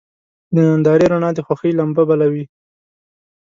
د نندارې رڼا د خوښۍ لمبه بله وي.